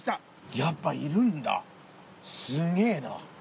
やっぱいるんだ、すげぇな。